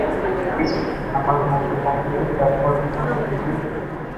Christophe, আমার বন্ধুর অশালীন ব্যবহার ক্ষমা করবেন প্লিজ।